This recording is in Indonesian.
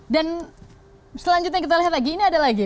dan selanjutnya kita lihat lagi ini ada lagi